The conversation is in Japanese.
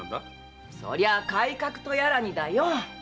そりゃ「改革」とやらにだよ！